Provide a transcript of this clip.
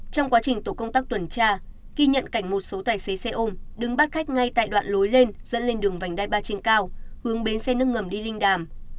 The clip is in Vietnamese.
trong quá trình tổ công tác tuần tra ghi nhận cảnh một số tài xế xe ôm đứng bắt khách ngay tại đoạn lối lên dẫn lên đường vành đai ba trên cao hướng bến xe nước ngầm đi linh đàm